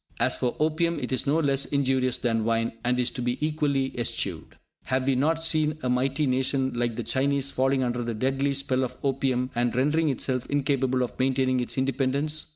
As for opium, it is no less injurious than wine, and is to be equally eschewed. Have we not seen a mighty nation like the Chinese falling under the deadly spell of opium, and rendering itself incapable of maintaining its independence?